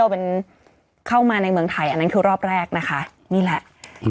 ที่เป็นแบบว่านักท่องเที่ยวเข้ามาในเมืองไทยอันนั้นคือรอบแรกนะคะนี่แหละ